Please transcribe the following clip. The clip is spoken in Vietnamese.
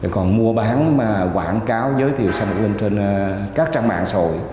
còn mua bán và quảng cáo giới thiệu xăm ngọc linh trên các trang mạng sội